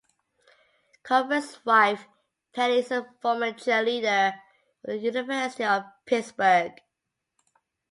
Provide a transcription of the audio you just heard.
Covert's wife Penny is a former cheerleader for the University of Pittsburgh.